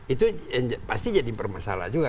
itu pasti jadi bermasalah juga